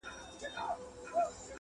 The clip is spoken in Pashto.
o گيدړي ته خپل پوست بلا دئ٫